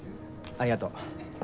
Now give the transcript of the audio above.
ありがとう。